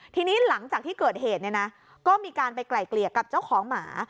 ทีนี้หลังจากที่เกิดเหตุเนี่ยนะก็มีการไปไกลเกลี่ยกับเจ้าของหมา